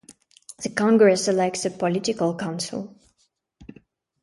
The congress elects a Political Council.